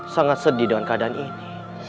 sangat sedih dengan keadaan ini